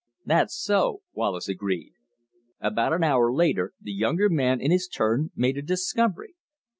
"That's so," Wallace agreed. About an hour later the younger man in his turn made a discovery.